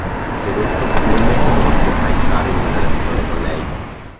Sedotto, non mette molto a entrare in una relazione con lei.